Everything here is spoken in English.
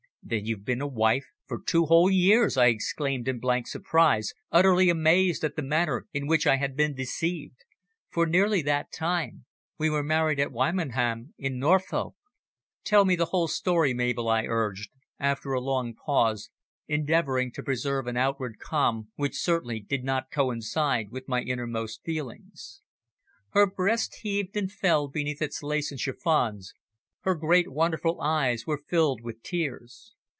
"Then you've been a wife for two whole years!" I exclaimed in blank surprise, utterly amazed at the manner in which I had been deceived. "For nearly that time. We were married at Wymondham in Norfolk." "Tell me the whole story, Mabel," I urged, after a long pause, endeavouring to preserve an outward calm, which certainly did not coincide with my innermost feelings. Her breast heaved and fell beneath its lace and chiffons, her great wonderful eyes were filled with tears.